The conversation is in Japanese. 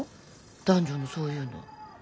男女のそういうの。